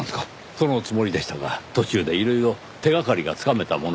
そのつもりでしたが途中でいろいろ手掛かりがつかめたもので。